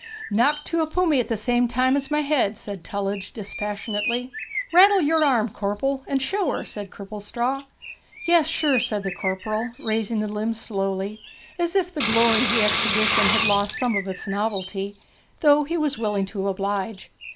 'Knocked to a pummy at the same time as my head,' said Tullidge dispassionately. 'Rattle yer arm, corpel, and show her,' said Cripplestraw. 'Yes, sure,' said the corporal, raising the limb slowly, as if the glory of exhibition had lost some of its novelty, though he was willing to oblige.